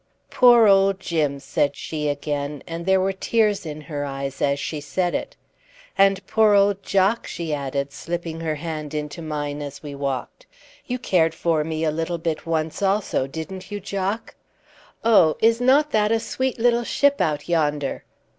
"Poor old Jim!" said she again, and there were tears in her eyes as she said it. "And poor old Jock!" she added, slipping her hand into mine as we walked. "You cared for me a little bit once also, didn't you, Jock? Oh, is not that a sweet little ship out yonder!"